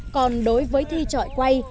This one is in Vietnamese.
còn đối với thi trọi quay